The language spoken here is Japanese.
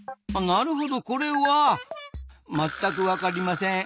なるほどこれはまったく分かりません。